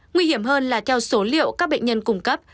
nguy hiểm hơn là theo số liệu các bệnh nhân cung cấp